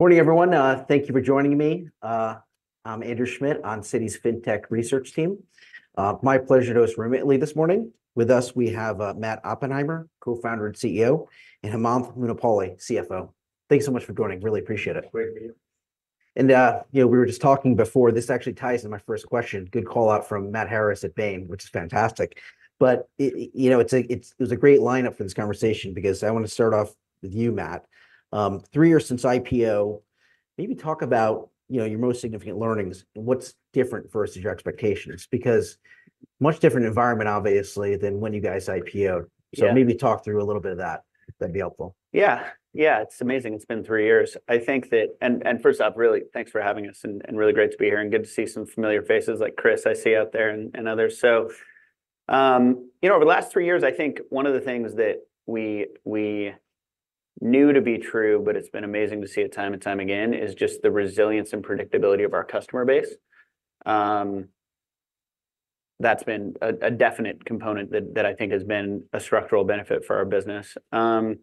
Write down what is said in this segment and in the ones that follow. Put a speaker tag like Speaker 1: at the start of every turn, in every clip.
Speaker 1: Morning, everyone. Thank you for joining me. I'm Andrew Schmidt on Citi's Fintech Research Team. My pleasure to host Remitly this morning. With us, we have Matt Oppenheimer, co-founder and CEO, and Hemanth Munipalli, CFO. Thanks so much for joining. Really appreciatiate And, you know, we were just talking before, this actually ties into my first question. Good call-out from Matt Harris at Bain, which is fantastic. But you know, it's a great lineup for this conversation because I want to start off with you, Matt. Three years since IPO, maybe talk about, you know, your most significant learnings and what's different versus your expectations, because much different environment, obviously, than when you guys IPO'd.
Speaker 2: Yeah.
Speaker 1: Maybe talk through a little bit of that. That'd be helpful.
Speaker 2: Yeah. Yeah, it's amazing. It's been three years. I think. And first off, really, thanks for having us, and really great to be here, and good to see some familiar faces, like Chris, I see out there and others. So, you know, over the last three years, I think one of the things that we knew to be true, but it's been amazing to see it time and time again, is just the resilience and predictability of our customer base. That's been a definite component that I think has been a structural benefit for our business. And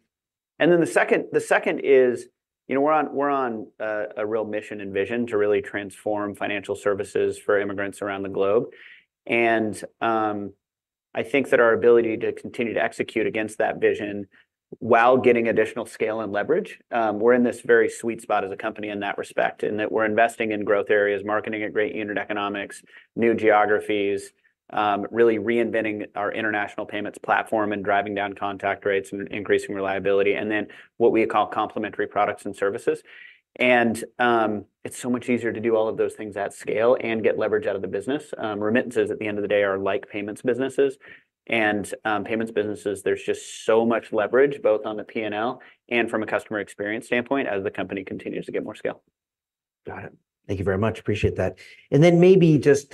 Speaker 2: then the second is, you know, we're on a real mission and vision to really transform financial services for immigrants around the globe. I think that our ability to continue to execute against that vision while getting additional scale and leverage, we're in this very sweet spot as a company in that respect, in that we're investing in growth areas, marketing at great unit economics, new geographies, really reinventing our international payments platform and driving down contact rates and increasing reliability, and then what we call complementary products and services. It's so much easier to do all of those things at scale and get leverage out of the business. Remittances, at the end of the day, are like payments businesses, and payments businesses, there's just so much leverage, both on the P&L and from a customer experience standpoint, as the company continues to get more scale.
Speaker 1: Got it. Thank you very much. Appreciate that. And then maybe just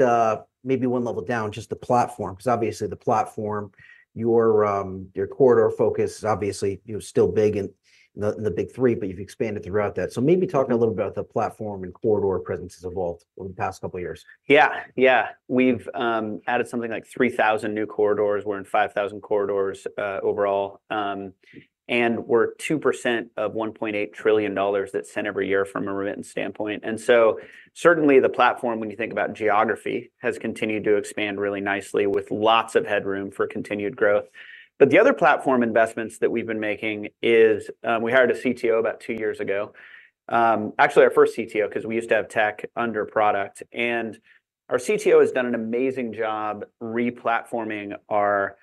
Speaker 1: maybe one level down, just the platform, because obviously, the platform, your your corridor focus is obviously, you know, still big in the, the Big Three, but you've expanded throughout that. So maybe talking a little about the platform and corridor presence has evolved over the past couple of years.
Speaker 2: Yeah, yeah. We've added something like 3,000 new corridors. We're in 5,000 corridors overall. And we're 2% of $1.8 trillion that's sent every year from a remittance standpoint. And so certainly, the platform, when you think about geography, has continued to expand really nicely, with lots of headroom for continued growth. But the other platform investments that we've been making is, we hired a CTO about two years ago. Actually our first CTO, 'cause we used to have tech under product, and our CTO has done an amazing job re-platforming our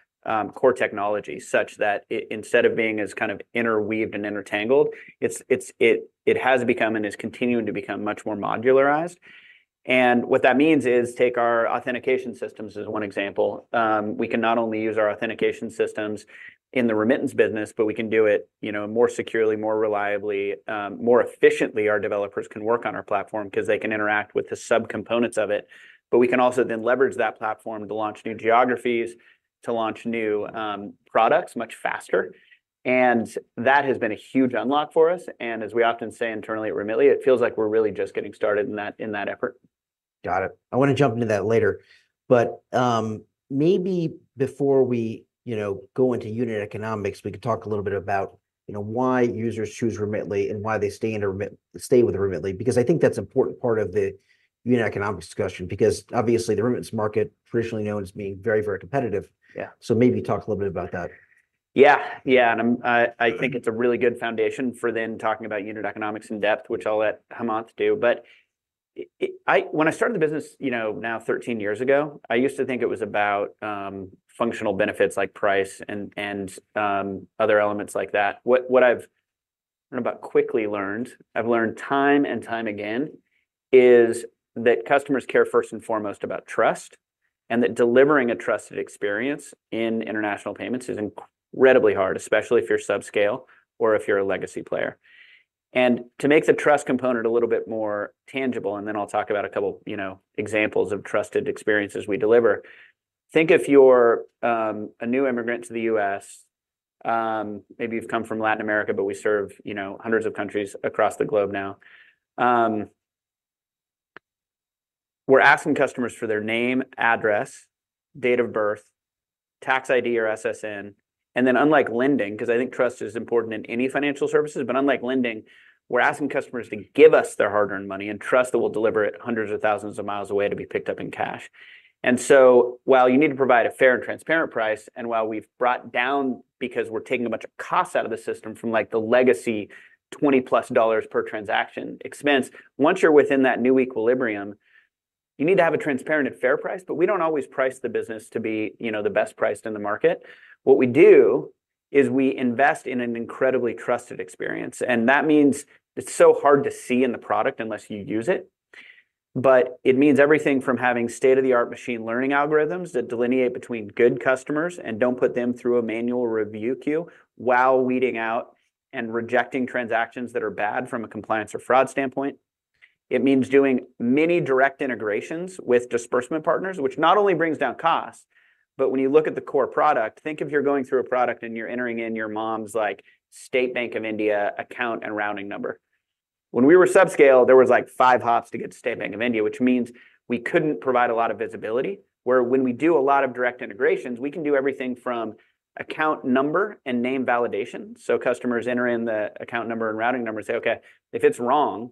Speaker 2: core technology, such that instead of being as kind of interweaved and intertangled, it's become and is continuing to become much more modularized. And what that means is, take our authentication systems as one example. We can not only use our authentication systems in the remittance business, but we can do it, you know, more securely, more reliably, more efficiently. Our developers can work on our platform 'cause they can interact with the subcomponents of it. But we can also then leverage that platform to launch new geographies, to launch new products much faster, and that has been a huge unlock for us. As we often say internally at Remitly, it feels like we're really just getting started in that, in that effort.
Speaker 1: Got it. I want to jump into that later, but, maybe before we, you know, go into unit economics, we could talk a little bit about, you know, why users choose Remitly and why they stay with Remitly. Because I think that's an important part of the unit economics discussion, because obviously, the remittance market traditionally known as being very, very competitive.
Speaker 2: Yeah.
Speaker 1: So maybe talk a little bit about that.
Speaker 2: Yeah, yeah. And I'm, I-
Speaker 1: Sure...
Speaker 2: I think it's a really good foundation for then talking about unit economics in depth, which I'll let Hemanth do. But I, when I started the business, you know, now 13 years ago, I used to think it was about functional benefits like price and other elements like that. What I've learned about quickly, I've learned time and time again, is that customers care first and foremost about trust, and that delivering a trusted experience in international payments is incredibly hard, especially if you're subscale or if you're a legacy player. And to make the trust component a little bit more tangible, and then I'll talk about a couple, you know, examples of trusted experiences we deliver. Think if you're a new immigrant to the U.S., maybe you've come from Latin America, but we serve, you know, hundreds of countries across the globe now. We're asking customers for their name, address, date of birth, tax ID or SSN, and then, unlike lending, 'cause I think trust is important in any financial services, but unlike lending, we're asking customers to give us their hard-earned money and trust that we'll deliver it hundreds of thousands of miles away to be picked up in cash. While you need to provide a fair and transparent price, and while we've brought down because we're taking a bunch of costs out of the system from, like, the legacy $20+ per transaction expense, once you're within that new equilibrium, you need to have a transparent and fair price, but we don't always price the business to be, you know, the best priced in the market. What we do is we invest in an incredibly trusted experience, and that means it's so hard to see in the product unless you use it. But it means everything from having state-of-the-art machine learning algorithms that delineate between good customers and don't put them through a manual review queue, while weeding out and rejecting transactions that are bad from a compliance or fraud standpoint. It means doing many direct integrations with disbursement partners, which not only brings down costs, but when you look at the core product, think if you're going through a product and you're entering in your mom's, like, State Bank of India account and routing number. When we were subscale, there was, like, five hops to get to State Bank of India, which means we couldn't provide a lot of visibility. Where when we do a lot of direct integrations, we can do everything from account number and name validation, so customers enter in the account number and routing number and say, okay, if it's wrong,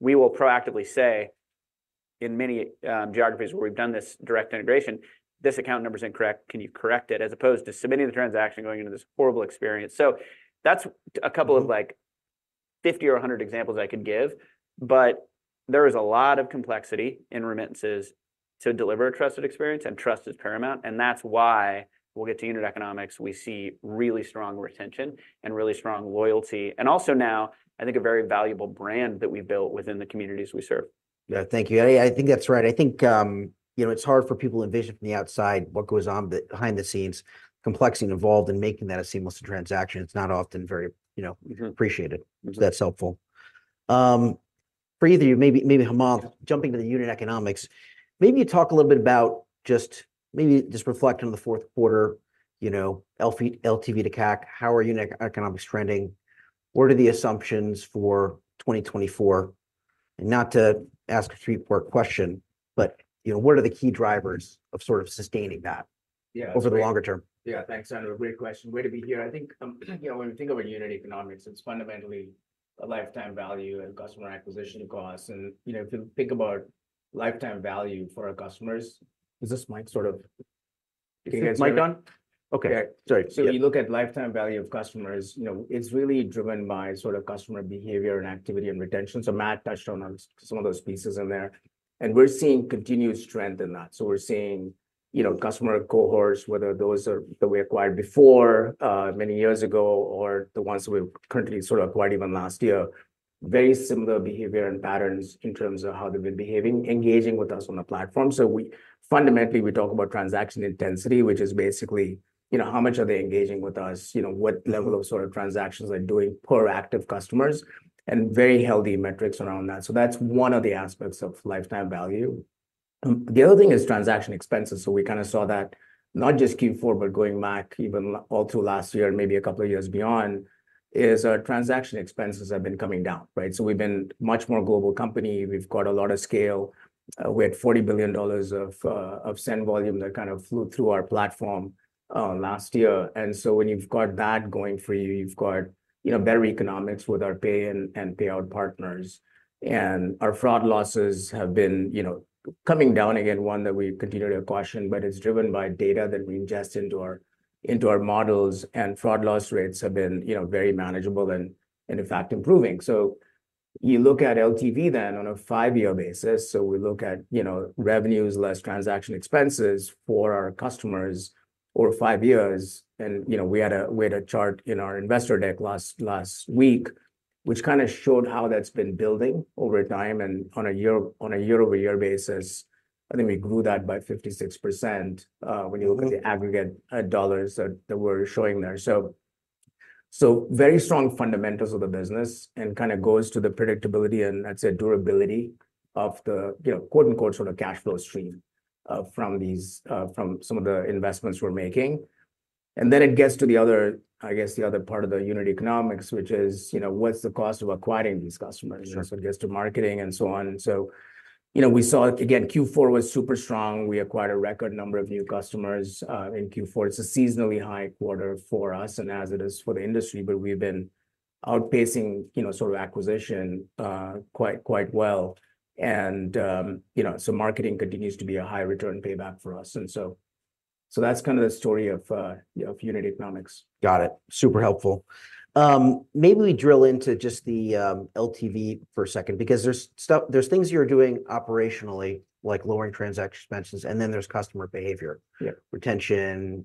Speaker 2: we will proactively say in many geographies where we've done this direct integration, this account number's incorrect, can you correct it? As opposed to submitting the transaction and going into this horrible experience. So that's a couple of like-
Speaker 1: Mm-hmm...
Speaker 2: 50 or 100 examples I could give, but there is a lot of complexity in remittances to deliver a trusted experience, and trust is paramount. And that's why, when we get to unit economics, we see really strong retention and really strong loyalty, and also now, I think, a very valuable brand that we've built within the communities we serve.
Speaker 1: Yeah, thank you. I, I think that's right. I think, you know, it's hard for people to envision from the outside what goes on behind the scenes, complexity involved in making that a seamless transaction. It's not often very, you know-
Speaker 2: Mm-hmm...
Speaker 1: appreciated.
Speaker 2: Mm-hmm.
Speaker 1: That's helpful. For either of you, maybe, maybe Hemanth-
Speaker 3: Yeah...
Speaker 1: jumping to the unit economics, maybe talk a little bit about just maybe just reflect on the fourth quarter, you know, LTV to CAC. How are unit economics trending? What are the assumptions for 2024? And not to ask a three-part question, but, you know, what are the key drivers of sort of sustaining that-
Speaker 3: Yeah, great...
Speaker 1: over the longer term?
Speaker 3: Yeah, thanks, Andrew. Great question. Great to be here. I think, you know, when we think about unit economics, it's fundamentally a lifetime value and customer acquisition costs. And, you know, if you think about lifetime value for our customers... Is this mic sort of-
Speaker 1: Is your mic on?
Speaker 3: Okay.
Speaker 1: Sorry.
Speaker 3: So if you look at lifetime value of customers, you know, it's really driven by sort of customer behavior and activity and retention. So Matt touched on some of those pieces in there, and we're seeing continued strength in that. So we're seeing, you know, customer cohorts, whether those are that we acquired before many years ago, or the ones we've currently sort of acquired even last year, very similar behavior and patterns in terms of how they've been behaving, engaging with us on the platform. So we, fundamentally, we talk about transaction intensity, which is basically, you know, how much are they engaging with us? You know, what level of sort of transactions are doing per active customers, and very healthy metrics around that. So that's one of the aspects of lifetime value. The other thing is transaction expenses. So we kind of saw that not just Q4, but going back even all through last year and maybe a couple of years beyond, is our transaction expenses have been coming down, right? So we've been much more global company. We've got a lot of scale. We had $40 billion of send volume that kind of flew through our platform last year. And so when you've got that going for you, you've got, you know, better economics with our pay and payout partners. And our fraud losses have been, you know, coming down again, one that we continue to question, but it's driven by data that we ingest into our models. And fraud loss rates have been, you know, very manageable and, in fact, improving. So you look at LTV then on a five-year basis, so we look at, you know, revenues less transaction expenses for our customers over five years. And, you know, we had a, we had a chart in our investor deck last, last week, which kind of showed how that's been building over time. And on a year, on a year-over-year basis, I think we grew that by 56%, when you-
Speaker 1: Okay...
Speaker 3: look at the aggregate dollars that we're showing there. So very strong fundamentals of the business, and kind of goes to the predictability and, I'd say, durability of the, you know, quote, unquote, "sort of cash flow stream" from some of the investments we're making. And then it gets to the other, I guess, part of the unit economics, which is, you know, what's the cost of acquiring these customers?
Speaker 1: Sure.
Speaker 3: You know, so it gets to marketing and so on. And so, you know, we saw, again, Q4 was super strong. We acquired a record number of new customers in Q4. It's a seasonally high quarter for us and as it is for the industry, but we've been outpacing, you know, sort of acquisition quite, quite well. And, you know, so marketing continues to be a high return payback for us. And so, so that's kind of the story of unit economics.
Speaker 1: Got it. Super helpful. Maybe we drill into just the LTV for a second because there's stuff... There's things you're doing operationally, like lowering transaction expenses, and then there's customer behavior-
Speaker 3: Yeah...
Speaker 1: retention,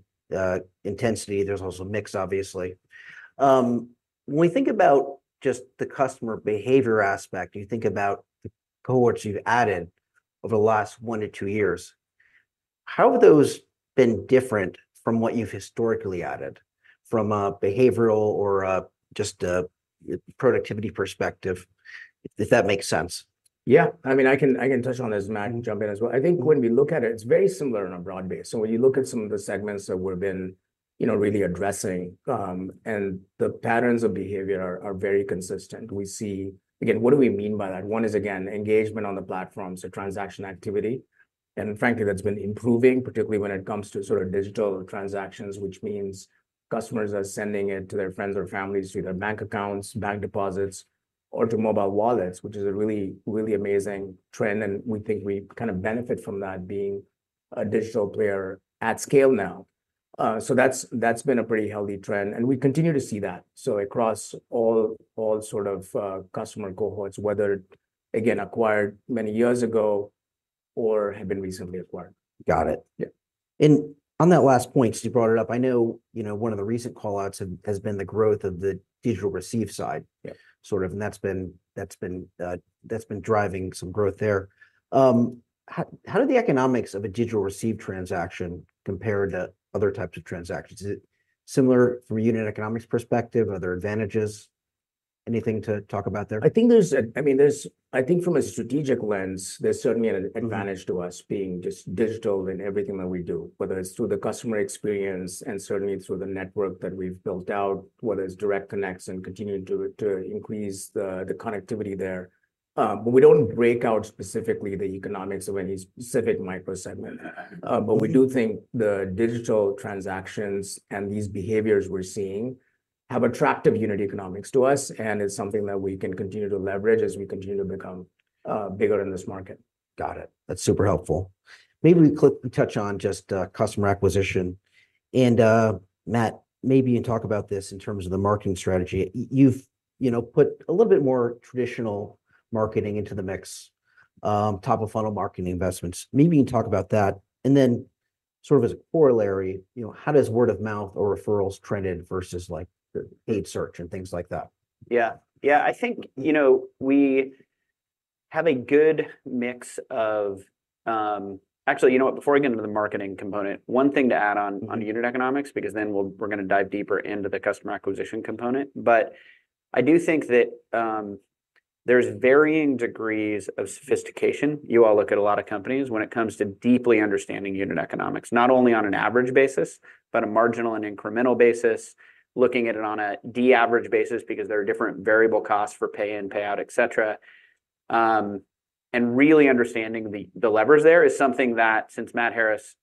Speaker 1: intensity. There's also mix, obviously. When we think about just the customer behavior aspect, you think about the cohorts you've added over the last 1-2 years, how have those been different from what you've historically added from a behavioral or just a productivity perspective, if that makes sense?
Speaker 3: Yeah. I mean, I can, I can touch on this, and Matt can jump in as well.
Speaker 2: Mm-hmm.
Speaker 3: I think when we look at it, it's very similar on a broad base. So when you look at some of the segments that we've been, you know, really addressing, and the patterns of behavior are very consistent. We see... Again, what do we mean by that? One is, again, engagement on the platform, so transaction activity, and frankly, that's been improving, particularly when it comes to sort of digital transactions, which means customers are sending it to their friends or families, to their bank accounts, bank deposits, or to mobile wallets, which is a really, really amazing trend, and we think we kind of benefit from that being a digital player at scale now. So that's been a pretty healthy trend, and we continue to see that. So across all sorts of customer cohorts, whether again acquired many years ago or have been recently acquired.
Speaker 1: Got it.
Speaker 3: Yeah.
Speaker 1: On that last point, since you brought it up, I know, you know, one of the recent call-outs has been the growth of the digital receive side-
Speaker 3: Yeah...
Speaker 1: sort of, and that's been driving some growth there. How do the economics of a digital receive transaction compare to other types of transactions? Is it similar from a unit economics perspective? Are there advantages? Anything to talk about there?
Speaker 3: I think there's... I mean, there's, I think from a strategic lens, there's certainly an advantage-
Speaker 1: Mm-hmm...
Speaker 3: to us being just digital in everything that we do, whether it's through the customer experience and certainly through the network that we've built out, whether it's direct connects and continuing to increase the connectivity there. But we don't break out specifically the economics of any specific micro segment.
Speaker 1: Mm-hmm.
Speaker 3: But we do think the digital transactions and these behaviors we're seeing- ...
Speaker 2: have attractive unit economics to us, and it's something that we can continue to leverage as we continue to become bigger in this market.
Speaker 1: Got it. That's super helpful. Maybe we could touch on just customer acquisition, and Matt, maybe you talk about this in terms of the marketing strategy. You've, you know, put a little bit more traditional marketing into the mix, top-of-funnel marketing investments. Maybe you can talk about that, and then sort of as a corollary, you know, how does word-of-mouth or referrals trend in versus, like, paid search and things like that?
Speaker 2: Yeah. Yeah, I think, you know, we have a good mix of, actually, you know what? Before I get into the marketing component, one thing to add on-
Speaker 1: Mm-hmm...
Speaker 2: on unit economics, because then we're gonna dive deeper into the customer acquisition component. But I do think that, there's varying degrees of sophistication, you all look at a lot of companies, when it comes to deeply understanding unit economics, not only on an average basis but a marginal and incremental basis, looking at it on a de-average basis because there are different variable costs for pay-in, pay-out, et cetera. And really understanding the levers there is something that, since Matt Harris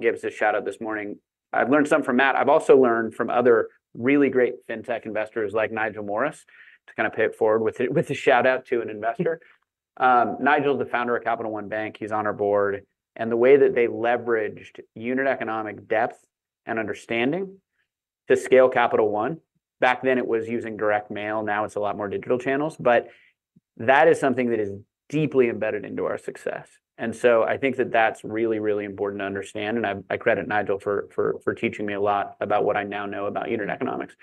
Speaker 2: gave us a shout-out this morning, I've learned something from Matt. I've also learned from other really great fintech investors like Nigel Morris, to kind of pay it forward with a shout-out to an investor.
Speaker 1: Mm.
Speaker 2: Nigel is the founder of Capital One Bank. He's on our board. The way that they leveraged unit economic depth and understanding to scale Capital One, back then it was using direct mail, now it's a lot more digital channels, but that is something that is deeply embedded into our success. So I think that that's really, really important to understand, and I credit Nigel for teaching me a lot about what I now know about unit economics.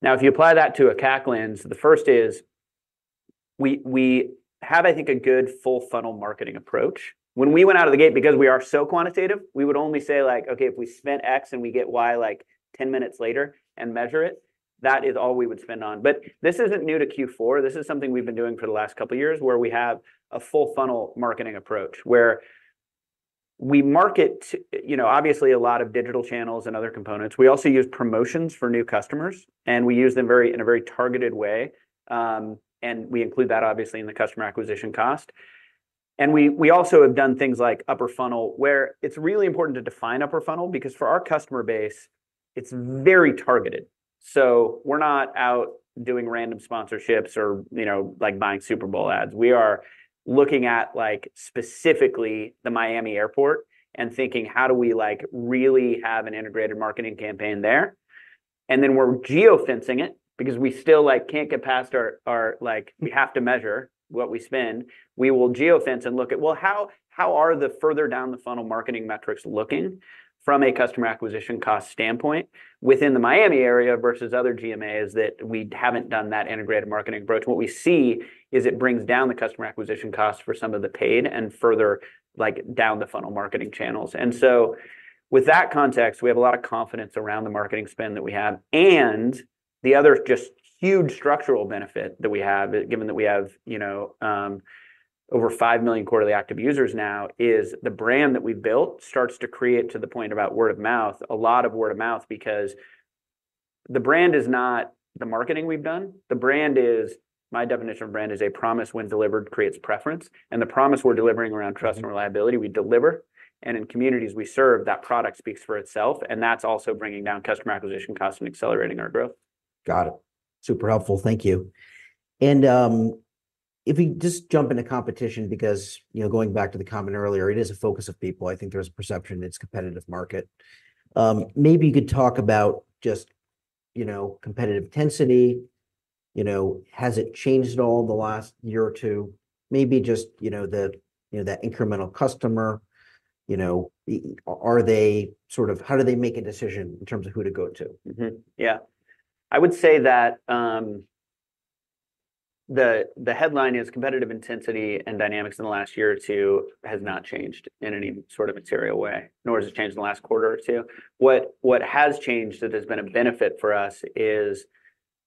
Speaker 2: Now, if you apply that to a CAC lens, the first is we have, I think, a good full-funnel marketing approach. When we went out of the gate, because we are so quantitative, we would only say, like, "Okay, if we spent X and we get Y, like, 10 minutes later and measure it," that is all we would spend on. But this isn't new to Q4, this is something we've been doing for the last couple of years, where we have a full-funnel marketing approach, where we market, you know, obviously a lot of digital channels and other components. We also use promotions for new customers, and we use them very, in a very targeted way, and we include that, obviously, in the customer acquisition cost. And we, we also have done things like upper funnel, where it's really important to define upper funnel, because for our customer base, it's very targeted. So we're not out doing random sponsorships or, you know, like, buying Super Bowl ads. We are looking at, like, specifically the Miami Airport and thinking: How do we, like, really have an integrated marketing campaign there? Then we're geo-fencing it because we still, like, can't get past our, like, we have to measure what we spend. We will geo-fence and look at, well, how are the further-down-the-funnel marketing metrics looking from a customer acquisition cost standpoint within the Miami area versus other GMAs that we haven't done that integrated marketing approach? What we see is it brings down the customer acquisition costs for some of the paid and further, like, down-the-funnel marketing channels. And so with that context, we have a lot of confidence around the marketing spend that we have. And the other just huge structural benefit that we have, given that we have, you know, over 5 million quarterly active users now, is the brand that we've built starts to create, to the point about word-of-mouth, a lot of word-of-mouth because the brand is not the marketing we've done. The brand is... My definition of brand is: A promise when delivered creates preference. And the promise we're delivering around trust-
Speaker 1: Mm
Speaker 2: ...and reliability, we deliver, and in communities we serve, that product speaks for itself, and that's also bringing down customer acquisition costs and accelerating our growth.
Speaker 1: Got it. Super helpful. Thank you. And if we just jump into competition because, you know, going back to the comment earlier, it is a focus of people. I think there's a perception it's competitive market. Maybe you could talk about just, you know, competitive intensity. You know, has it changed at all in the last year or two? Maybe just, you know, the, you know, that incremental customer, you know, are they sort of how do they make a decision in terms of who to go to?
Speaker 2: Mm-hmm. Yeah. I would say that the headline is: Competitive intensity and dynamics in the last year or two has not changed in any sort of material way, nor has it changed in the last quarter or two. What has changed that has been a benefit for us is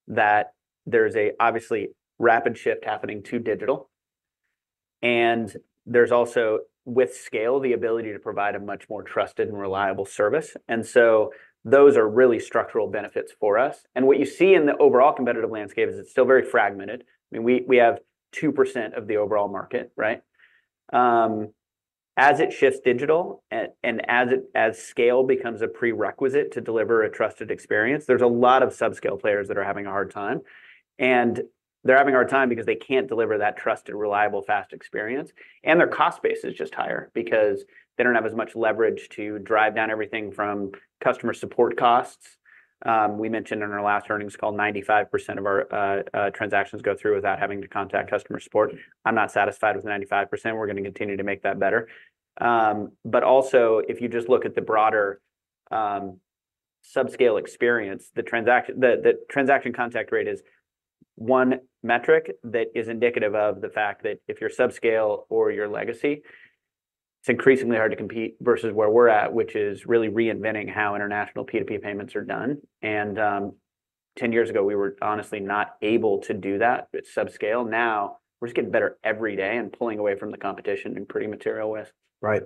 Speaker 2: that there's obviously a rapid shift happening to digital, and there's also, with scale, the ability to provide a much more trusted and reliable service. And so those are really structural benefits for us. And what you see in the overall competitive landscape is it's still very fragmented. I mean, we have 2% of the overall market, right? As it shifts digital, and as scale becomes a prerequisite to deliver a trusted experience, there's a lot of sub-scale players that are having a hard time. They're having a hard time because they can't deliver that trusted, reliable, fast experience, and their cost base is just higher because they don't have as much leverage to drive down everything from customer support costs. We mentioned in our last earnings call, 95% of our transactions go through without having to contact customer support.
Speaker 1: Mm.
Speaker 2: I'm not satisfied with 95%. We're gonna continue to make that better. But also, if you just look at the broader, sub-scale experience, the transaction contact rate is one metric that is indicative of the fact that if you're sub-scale or you're legacy, it's increasingly hard to compete versus where we're at, which is really reinventing how international P2P payments are done. And, 10 years ago, we were honestly not able to do that at sub-scale. Now, we're just getting better every day and pulling away from the competition in pretty material ways.
Speaker 1: Right.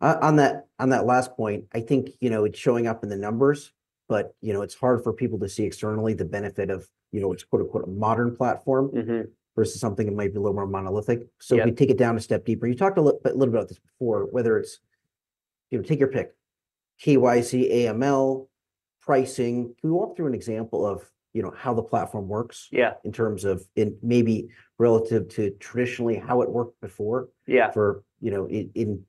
Speaker 1: On that, on that last point, I think, you know, it's showing up in the numbers, but, you know, it's hard for people to see externally the benefit of, you know, what's, quote-unquote, "a modern platform"-
Speaker 2: Mm-hmm ...
Speaker 1: versus something that might be a little more monolithic.
Speaker 2: Yeah.
Speaker 1: So if you take it down a step deeper, you talked a little about this before, whether it's you know, take your pick, KYC, AML, pricing. Can we walk through an example of, you know, how the platform works?
Speaker 2: Yeah.
Speaker 1: in terms of in maybe relative to traditionally how it worked before?
Speaker 2: Yeah.
Speaker 1: For, you know, in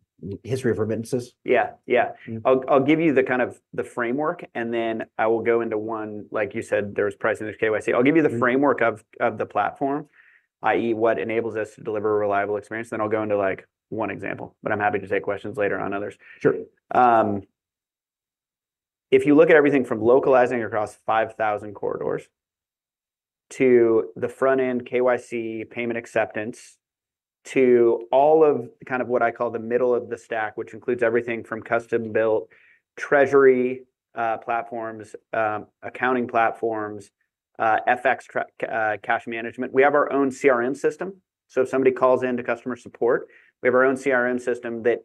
Speaker 1: history of remittances.
Speaker 2: Yeah, yeah.
Speaker 1: Mm-hmm.
Speaker 2: I'll give you the kind of the framework, and then I will go into one... Like you said, there's pricing, there's KYC.
Speaker 1: Mm-hmm.
Speaker 2: I'll give you the framework of the platform, i.e., what enables us to deliver a reliable experience. Then I'll go into, like, one example, but I'm happy to take questions later on others.
Speaker 1: Sure.
Speaker 2: If you look at everything from localizing across 5,000 corridors to the front-end KYC payment acceptance to all of kind of what I call the middle of the stack, which includes everything from custom-built treasury platforms, accounting platforms, FX, cash management. We have our own CRM system, so if somebody calls into customer support, we have our own CRM system that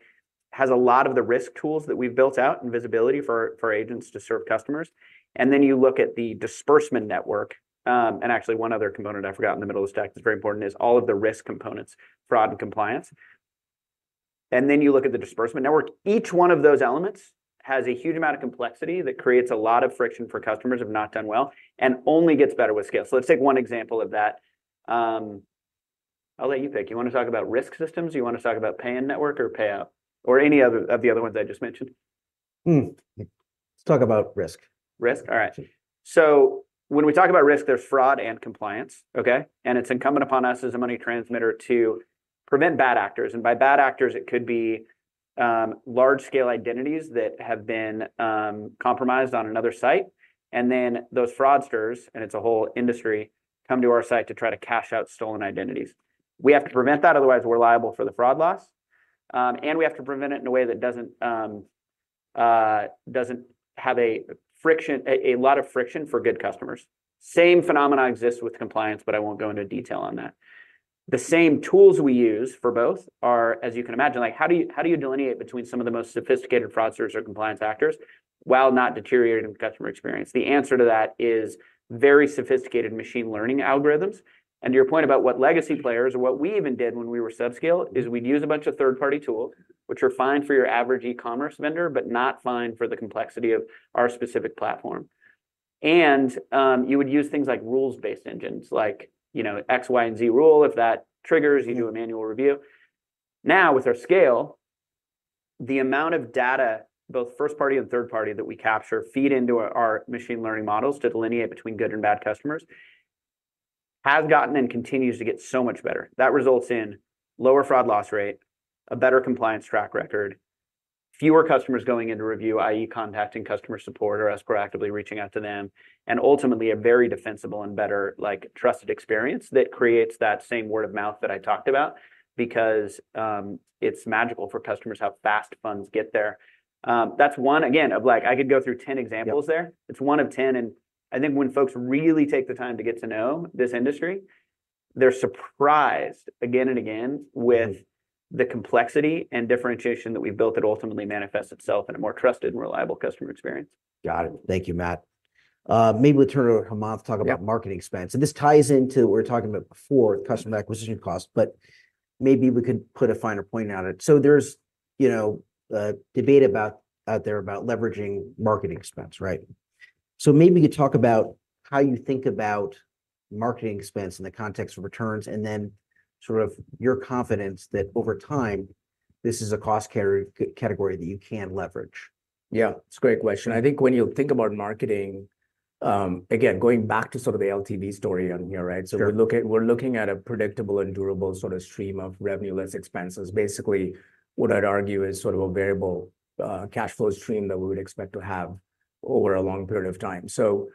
Speaker 2: has a lot of the risk tools that we've built out and visibility for, for agents to serve customers. And then you look at the disbursement network. And actually, one other component I forgot in the middle of the stack that's very important is all of the risk components, fraud and compliance. And then you look at the disbursement network. Each one of those elements has a huge amount of complexity that creates a lot of friction for customers, if not done well, and only gets better with scale. So let's take one example of that. I'll let you pick. You want to talk about risk systems, or you want to talk about pay-in network or payout or any other of the other ones I just mentioned?
Speaker 1: Hmm. Let's talk about risk.
Speaker 2: Risk? All right.
Speaker 1: Yeah.
Speaker 2: So when we talk about risk, there's fraud and compliance, okay? And it's incumbent upon us as a money transmitter to prevent bad actors, and by bad actors, it could be large-scale identities that have been compromised on another site. And then those fraudsters, and it's a whole industry, come to our site to try to cash out stolen identities. We have to prevent that, otherwise, we're liable for the fraud loss. And we have to prevent it in a way that doesn't have a lot of friction for good customers. Same phenomena exists with compliance, but I won't go into detail on that. The same tools we use for both are, as you can imagine... Like, how do you delineate between some of the most sophisticated fraudsters or compliance actors while not deteriorating customer experience? The answer to that is very sophisticated machine learning algorithms. And to your point about what legacy players or what we even did when we were subscale, is we'd use a bunch of third-party tools, which are fine for your average e-commerce vendor, but not fine for the complexity of our specific platform. And, you would use things like rules-based engines, like, you know, X, Y, and Z rule. If that triggers-
Speaker 1: Mm-hmm...
Speaker 2: you do a manual review. Now, with our scale, the amount of data, both first party and third party, that we capture feed into our machine learning models to delineate between good and bad customers, has gotten and continues to get so much better. That results in lower fraud loss rate, a better compliance track record, fewer customers going into review, i.e., contacting customer support or us proactively reaching out to them, and ultimately, a very defensible and better, like, trusted experience that creates that same word-of-mouth that I talked about. Because, it's magical for customers how fast funds get there. That's one, again, of like, I could go through 10 examples there.
Speaker 1: Yeah.
Speaker 2: It's 1 of 10, and I think when folks really take the time to get to know this industry, they're surprised again and again-
Speaker 1: Mm...
Speaker 2: with the complexity and differentiation that we've built, that ultimately manifests itself in a more trusted and reliable customer experience.
Speaker 1: Got it. Thank you, Matt. Maybe we'll turn it over to Hemanth-
Speaker 2: Yeah...
Speaker 1: to talk about marketing expense. This ties into what we were talking about before, customer acquisition costs, but maybe we could put a finer point on it. So there's, you know, a debate out there about leveraging marketing expense, right? So maybe you could talk about how you think about marketing expense in the context of returns, and then sort of your confidence that over time, this is a cost category that you can leverage.
Speaker 3: Yeah, it's a great question. I think when you think about marketing, again, going back to sort of the LTV story on here, right?
Speaker 1: Sure.
Speaker 3: So we're looking at a predictable and durable sort of stream of revenue, less expenses. Basically, what I'd argue is sort of a variable cash flow stream that we would expect to have over a long period of time. So,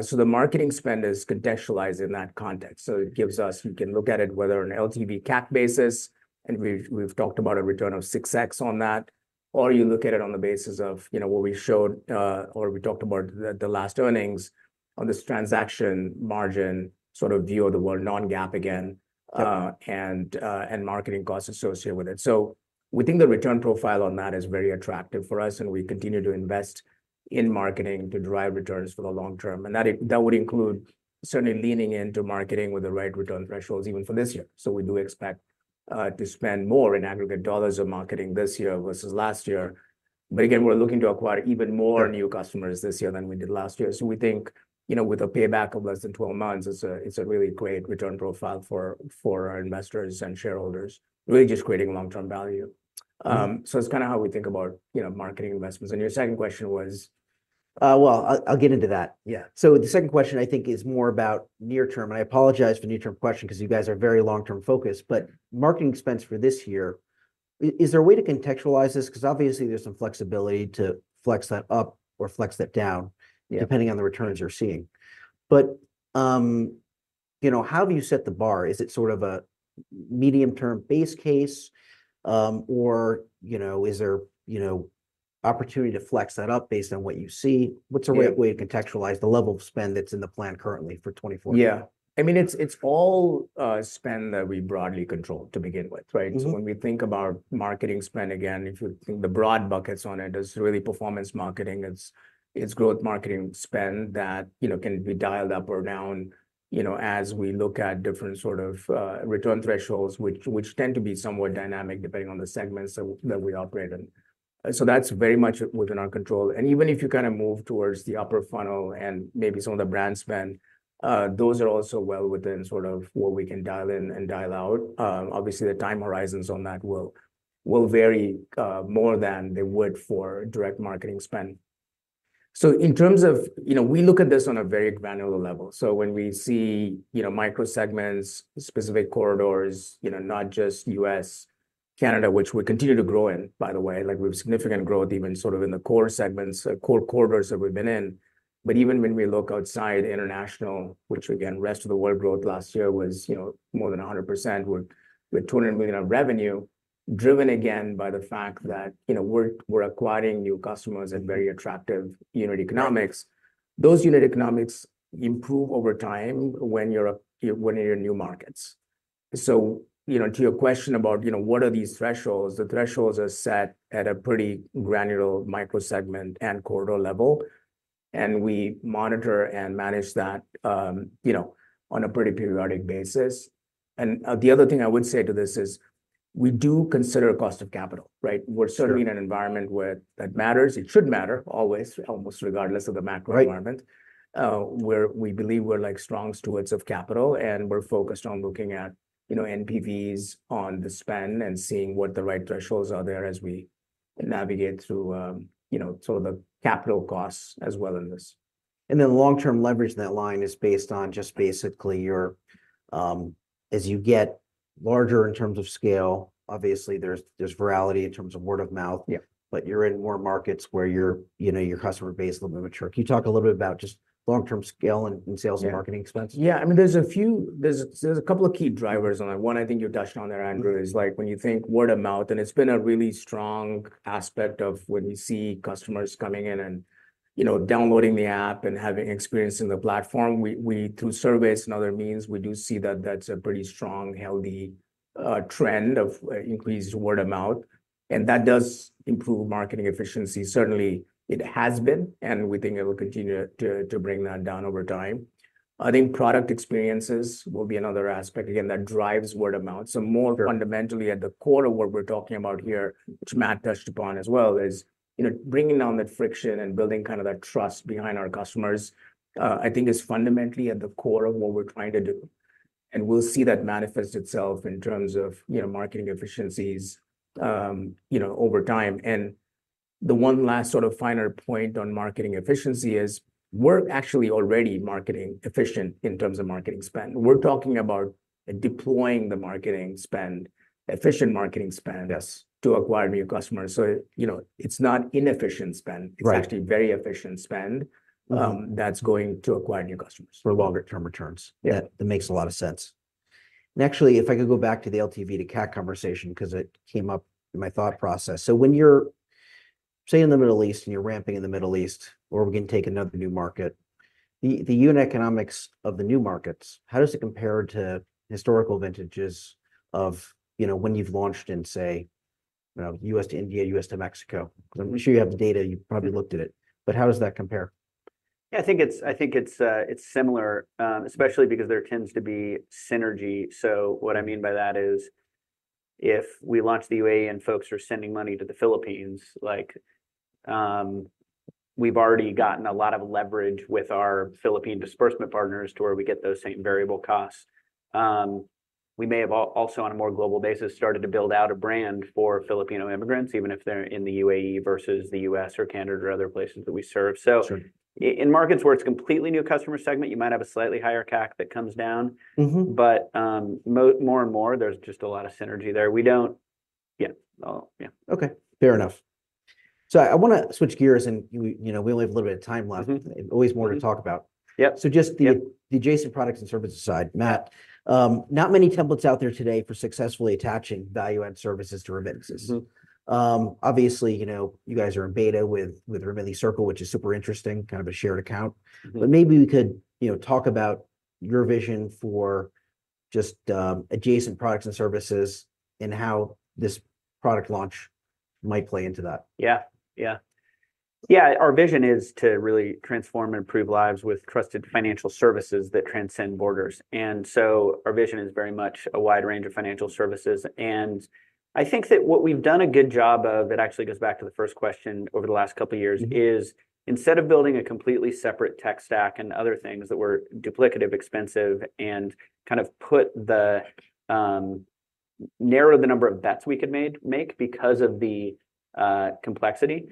Speaker 3: so the marketing spend is contextualized in that context. So it gives us... You can look at it whether an LTV/CAC basis, and we've talked about a return of 6x on that, or you look at it on the basis of, you know, what we showed, or we talked about the last earnings on this transaction margin sort of view of the world, non-GAAP again-
Speaker 1: Yeah...
Speaker 3: and marketing costs associated with it. So we think the return profile on that is very attractive for us, and we continue to invest in marketing to drive returns for the long term. And that would include certainly leaning into marketing with the right return thresholds, even for this year. So we do expect to spend more in aggregate dollars of marketing this year versus last year. But again, we're looking to acquire even more-
Speaker 1: Yeah...
Speaker 3: new customers this year than we did last year. So we think, you know, with a payback of less than 12 months, it's a, it's a really great return profile for, for our investors and shareholders, really just creating long-term value.
Speaker 1: Mm-hmm.
Speaker 3: It's kinda how we think about, you know, marketing investments. Your second question was?
Speaker 1: Well, I'll get into that. Yeah. So the second question, I think, is more about near term, and I apologize for near-term question 'cause you guys are very long-term focused. But marketing expense for this year, is there a way to contextualize this? 'Cause obviously there's some flexibility to flex that up or flex that down-
Speaker 3: Yeah...
Speaker 1: depending on the returns you're seeing. But, you know, how do you set the bar? Is it sort of a medium-term base case, or, you know, is there, you know, opportunity to flex that up based on what you see?
Speaker 3: Yeah.
Speaker 1: What's a right way to contextualize the level of spend that's in the plan currently for 2024?
Speaker 3: Yeah. I mean, it's all spend that we broadly control to begin with, right?
Speaker 1: Mm-hmm.
Speaker 3: So when we think about marketing spend, again, if you think the broad buckets on it, is really performance marketing. It's growth marketing spend that, you know, can be dialed up or down, you know, as we look at different sort of return thresholds, which tend to be somewhat dynamic, depending on the segments that we operate in. So that's very much within our control. And even if you kind of move towards the upper funnel and maybe some of the brand spend, those are also well within sort of what we can dial in and dial out. Obviously, the time horizons on that will vary more than they would for direct marketing spend. So in terms of, you know, we look at this on a very granular level. So when we see, you know, microsegments, specific corridors, you know, not just U.S., Canada, which we continue to grow in, by the way, like, we have significant growth even sort of in the core segments, core corridors that we've been in. But even when we look outside international, which again, rest of the world growth last year was, you know, more than 100% with $200 million of revenue, driven again, by the fact that, you know, we're acquiring new customers at very attractive unit economics. Those unit economics improve over time when you're in new markets. So, you know, to your question about, you know, what are these thresholds? The thresholds are set at a pretty granular microsegment and corridor level, and we monitor and manage that, you know, on a pretty periodic basis. The other thing I would say to this is, we do consider cost of capital, right?
Speaker 1: Sure.
Speaker 3: We're certainly in an environment where that matters. It should matter always, almost regardless of the macro environment-
Speaker 1: Right...
Speaker 3: where we believe we're, like, strong stewards of capital, and we're focused on looking at, you know, NPVs on the spend and seeing what the right thresholds are there as we navigate through, you know, so the capital costs as well in this.
Speaker 1: And then long-term leverage, net line is based on just basically your. As you get larger in terms of scale, obviously, there's virality in terms of word-of-mouth.
Speaker 3: Yeah.
Speaker 1: But you're in more markets where your, you know, your customer base is a little bit mature. Can you talk a little bit about just long-term scale and sales-
Speaker 3: Yeah
Speaker 1: and marketing expenses?
Speaker 3: Yeah. I mean, there's a couple of key drivers. And one, I think you touched on there, Andrew, is like, when you think word-of-mouth, and it's been a really strong aspect of when we see customers coming in and, you know, downloading the app and having experience in the platform. We, through surveys and other means, we do see that that's a pretty strong, healthy trend of increased word-of-mouth, and that does improve marketing efficiency. Certainly, it has been, and we think it will continue to bring that down over time. I think product experiences will be another aspect, again, that drives word-of-mouth.
Speaker 1: Sure.
Speaker 3: So more fundamentally, at the core of what we're talking about here, which Matt touched upon as well, is, you know, bringing down that friction and building kind of that trust behind our customers. I think is fundamentally at the core of what we're trying to do. And we'll see that manifest itself in terms of, you know, marketing efficiencies over time. And the one last sort of finer point on marketing efficiency is, we're actually already marketing efficient in terms of marketing spend. We're talking about deploying the marketing spend, efficient marketing spend-
Speaker 1: Yes...
Speaker 3: to acquire new customers. So, you know, it's not inefficient spend.
Speaker 1: Right.
Speaker 3: It's actually very efficient spend.
Speaker 1: Mm...
Speaker 3: that's going to acquire new customers.
Speaker 1: For longer-term returns.
Speaker 3: Yeah.
Speaker 1: That makes a lot of sense. And actually, if I could go back to the LTV to CAC conversation, 'cause it came up in my thought process. So when you're, say, in the Middle East, and you're ramping in the Middle East, or we can take another new market, the unit economics of the new markets, how does it compare to historical vintages of, you know, when you've launched in, say, you know, U.S. to India, U.S. to Mexico? 'Cause I'm sure you have the data, you probably looked at it, but how does that compare?
Speaker 2: Yeah, I think it's similar, especially because there tends to be synergy. So what I mean by that is, if we launch the UAE, and folks are sending money to the Philippines, like, we've already gotten a lot of leverage with our Philippine disbursement partners to where we get those same variable costs. We may have also, on a more global basis, started to build out a brand for Filipino immigrants, even if they're in the UAE versus the U.S. or Canada or other places that we serve.
Speaker 1: Sure.
Speaker 2: In markets where it's completely new customer segment, you might have a slightly higher CAC that comes down.
Speaker 1: Mm-hmm.
Speaker 2: But, more and more, there's just a lot of synergy there. We don't... Yeah. Yeah.
Speaker 1: Okay, fair enough. So I wanna switch gears, and, you know, we only have a little bit of time left.
Speaker 2: Mm-hmm, mm-hmm.
Speaker 1: Always more to talk about.
Speaker 2: Yep, yep.
Speaker 1: So just the adjacent products and services side, Matt, not many templates out there today for successfully attaching value-add services to remittances.
Speaker 2: Mm-hmm.
Speaker 1: Obviously, you know, you guys are in beta with Remitly Circle, which is super interesting, kind of a shared account.
Speaker 2: Mm.
Speaker 1: But maybe we could, you know, talk about your vision for just adjacent products and services and how this product launch might play into that.
Speaker 2: Yeah, yeah. Yeah, our vision is to really transform and improve lives with trusted financial services that transcend borders. And so our vision is very much a wide range of financial services, and I think that what we've done a good job of, it actually goes back to the first question over the last couple of years-
Speaker 1: Mm...
Speaker 2: is instead of building a completely separate tech stack and other things that were duplicative, expensive, and kind of narrow the number of bets we could make because of the complexity,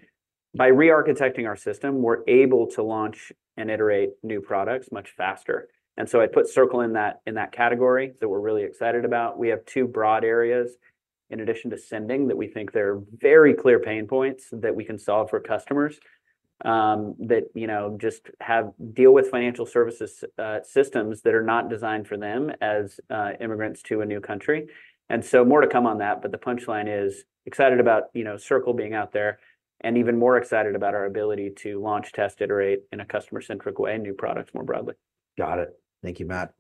Speaker 2: by re-architecting our system, we're able to launch and iterate new products much faster. And so I'd put Circle in that, in that category, so we're really excited about. We have two broad areas in addition to sending that we think there are very clear pain points that we can solve for customers that, you know, just deal with financial services systems that are not designed for them as immigrants to a new country. More to come on that, but the punchline is: excited about, you know, Circle being out there, and even more excited about our ability to launch, test, iterate in a customer-centric way, and new products more broadly.
Speaker 1: Got it. Thank you, Matt.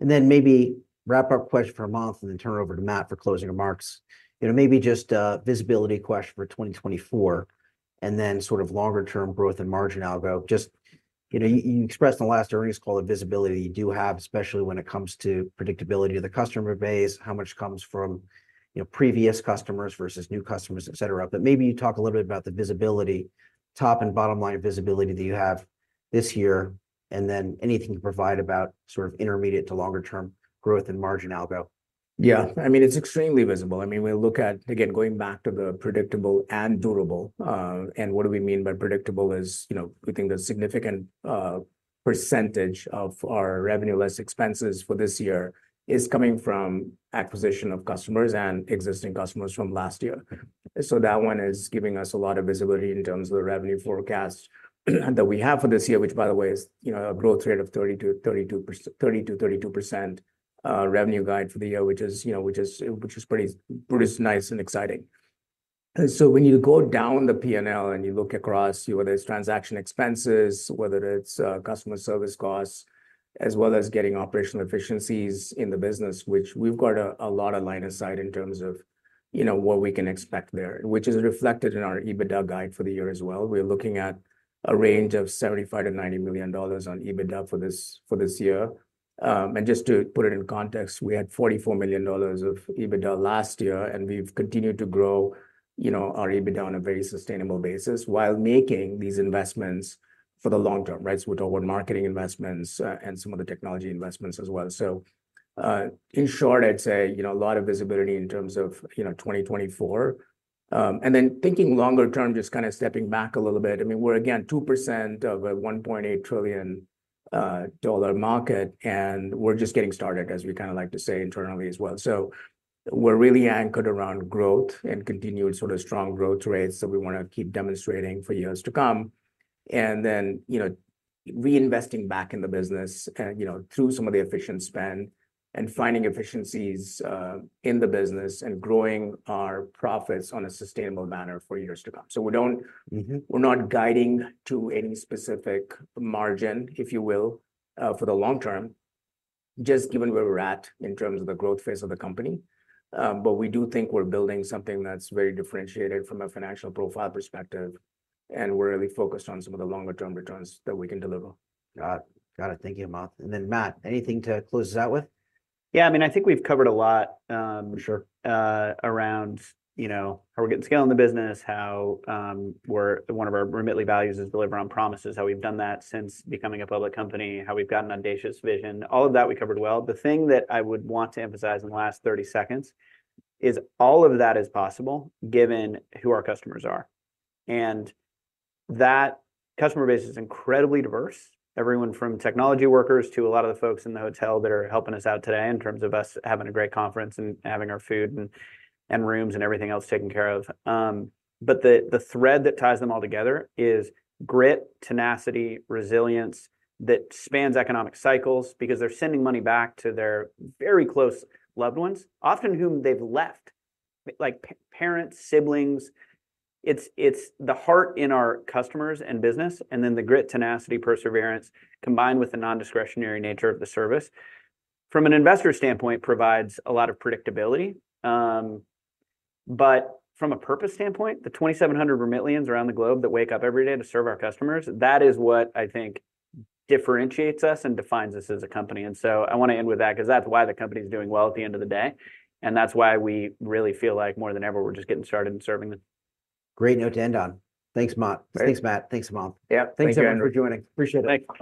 Speaker 1: And then maybe wrap-up question for Hemanth, and then turn it over to Matt for closing remarks. You know, maybe just a visibility question for 2024... and then sort of longer term growth and margin algo. Just, you know, you, you expressed in the last earnings call the visibility you do have, especially when it comes to predictability of the customer base, how much comes from, you know, previous customers versus new customers, et cetera. But maybe you talk a little bit about the visibility, top and bottom line visibility that you have this year, and then anything you can provide about sort of intermediate to longer term growth and margin algo.
Speaker 3: Yeah, I mean, it's extremely visible. I mean, we look at, again, going back to the predictable and durable, and what do we mean by predictable is, you know, we think the significant percentage of our revenue less expenses for this year is coming from acquisition of customers and existing customers from last year. So that one is giving us a lot of visibility in terms of the revenue forecast that we have for this year, which, by the way, is, you know, a growth rate of 30%-32%- 30%-32%, revenue guide for the year, which is, you know, which is, which is pretty, pretty nice and exciting. When you go down the P&L and you look across, whether it's transaction expenses, whether it's customer service costs, as well as getting operational efficiencies in the business, which we've got a lot of line of sight in terms of, you know, what we can expect there, which is reflected in our EBITDA guide for the year as well. We're looking at a range of $75 million-$90 million on EBITDA for this year. And just to put it in context, we had $44 million of EBITDA last year, and we've continued to grow, you know, our EBITDA on a very sustainable basis, while making these investments for the long term, right? So we're talking about marketing investments and some of the technology investments as well. So, in short, I'd say, you know, a lot of visibility in terms of, you know, 2024. And then thinking longer term, just kinda stepping back a little bit, I mean, we're again 2% of a $1.8 trillion dollar market, and we're just getting started, as we kind of like to say internally as well. So we're really anchored around growth and continued sort of strong growth rates that we wanna keep demonstrating for years to come. And then, you know, reinvesting back in the business, you know, through some of the efficient spend, and finding efficiencies in the business, and growing our profits on a sustainable manner for years to come. So we don't-
Speaker 1: Mm-hmm...
Speaker 3: we're not guiding to any specific margin, if you will, for the long term, just given where we're at in terms of the growth phase of the company. But we do think we're building something that's very differentiated from a financial profile perspective, and we're really focused on some of the longer term returns that we can deliver.
Speaker 1: Got it. Thank you, Amant. And then, Matt, anything to close us out with?
Speaker 2: Yeah, I mean, I think we've covered a lot.
Speaker 1: Sure...
Speaker 2: around, you know, how we're getting scale in the business, how we're one of our Remitly values is deliver on promises, how we've done that since becoming a public company, how we've got an audacious vision. All of that we covered well. The thing that I would want to emphasize in the last 30 seconds is all of that is possible, given who our customers are. And that customer base is incredibly diverse. Everyone from technology workers to a lot of the folks in the hotel that are helping us out today in terms of us having a great conference and having our food and, and rooms and everything else taken care of. But the thread that ties them all together is grit, tenacity, resilience, that spans economic cycles because they're sending money back to their very close loved ones, often whom they've left, like parents, siblings. It's the heart in our customers and business, and then the grit, tenacity, perseverance, combined with the non-discretionary nature of the service, from an investor standpoint, provides a lot of predictability. But from a purpose standpoint, the 2,700 Remitlyons around the globe that wake up every day to serve our customers, that is what I think differentiates us and defines us as a company. And so I wanna end with that, 'cause that's why the company's doing well at the end of the day, and that's why we really feel like more than ever, we're just getting started and serving them.
Speaker 1: Great note to end on. Thanks, Amant.
Speaker 3: Great.
Speaker 1: Thanks, Matt. Thanks, Amant.
Speaker 2: Yeah.
Speaker 3: Thank you.
Speaker 1: Thanks, everyone, for joining. Appreciate it.
Speaker 2: Thanks.